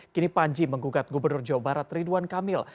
kini panji menggugat gubernur jawa barat ridwan kamil